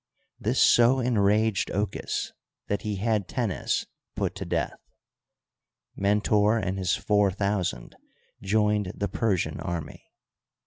This so enraged Ochus that he had Tennes put to death. Mentor and his four thou sand joined the Persian army.